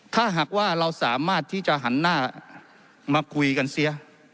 ถ้าหากว่าเราสามารถที่จะหันหน้ามาคุยกันเสีย